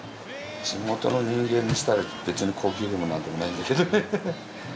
地元の人間にしたら別に高級でもなんでもないんだけどね。